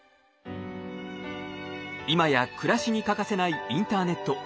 今や暮らしに欠かせないインターネット。